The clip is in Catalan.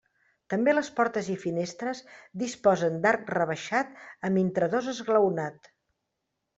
També les portes i finestres disposen d'arc rebaixat amb intradós esglaonat.